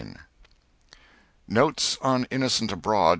] [_Notes on "Innocents Abroad."